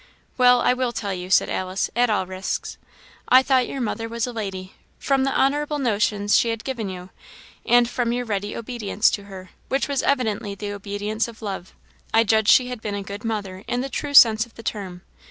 "Well, I will tell you," said Alice, "at all risks. I thought your mother was a lady, from the honourable notions she had given you; and, from your ready obedience to her, which was evidently the obedience of love, I judged she had been a good mother in the true sense of the term.